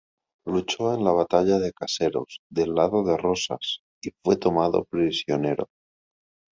Luchó en la batalla de Caseros del lado de Rosas, y fue tomado prisionero.